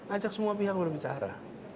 ajak semua pihak berbicara